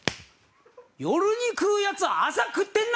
夜に食うやつ朝食ってんな！